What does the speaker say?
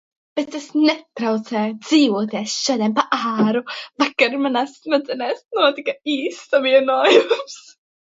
Bet tas netraucē dzīvoties šodien pa āru. Vakar manās smadzenēs notika īssavienojums.